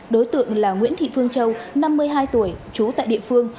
đối tượng là nguyễn thị phương châu năm mươi hai tuổi trú tại địa phương